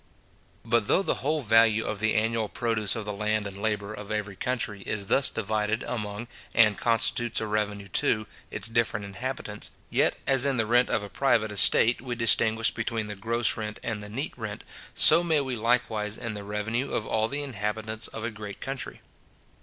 But though the whole value of the annual produce of the land and labour of every country, is thus divided among, and constitutes a revenue to, its different inhabitants; yet, as in the rent of a private estate, we distinguish between the gross rent and the neat rent, so may we likewise in the revenue of all the inhabitants of a great country.